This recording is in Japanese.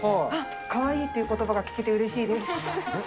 かわいいっていうことばが聞けてうれしいです。